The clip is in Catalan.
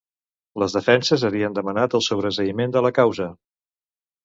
Les defenses havien demanat el sobreseïment de la causa.